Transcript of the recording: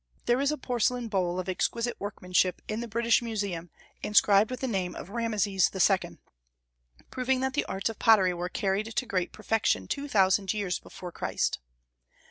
There is a porcelain bowl of exquisite workmanship in the British Museum inscribed with the name of Rameses II., proving that the arts of pottery were carried to great perfection two thousand years before Christ.